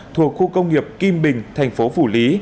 thuộc khu công nghiệp kim bình thành phố phủ lý